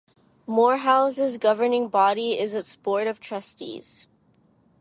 Morehouse's governing body is its Board of Trustees.